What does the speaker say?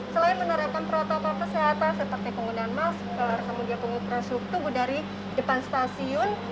selain menerapkan protokol kesehatan seperti penggunaan mask kelar kemudian pengoperasi tubuh dari depan stasiun